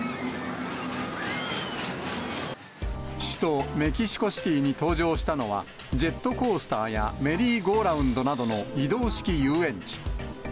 首都メキシコシティーに登場したのは、ジェットコースターやメリーゴーラウンドなどの移動式遊園地。